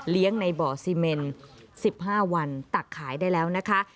ในบ่อซีเมน๑๕วันตักขายได้แล้วนะคะ